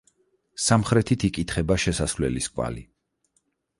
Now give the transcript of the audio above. სამხრეთით იკითხება შესასვლელის კვალი.